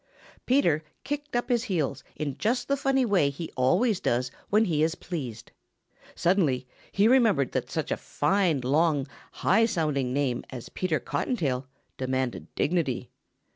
Peter kicked up his heels in just the funny way he always does when he is pleased. Suddenly he remembered that such a fine, long, high sounding name as Peter Cottontail demanded dignity.